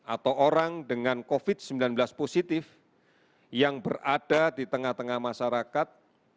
atau orang dengan covid sembilan belas positif yang berada di tengah tengah masyarakat